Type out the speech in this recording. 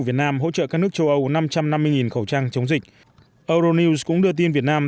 việt nam hỗ trợ các nước châu âu năm trăm năm mươi khẩu trang chống dịch euronews cũng đưa tin việt nam